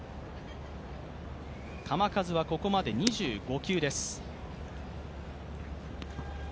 球数は、ここまで２５球です。